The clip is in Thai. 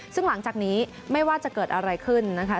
ซึ่งหลังจากนี้ไม่ว่าจะเกิดอะไรขึ้นนะคะ